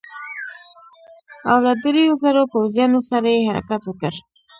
او له دریو زرو پوځیانو سره یې حرکت وکړ.